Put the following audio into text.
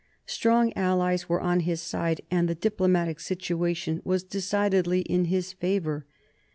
Strong allies were on his side, and the diplo matic situation was decidedly in his favor.